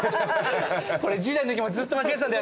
これ１０代のときもずっと間違えてたんだよ。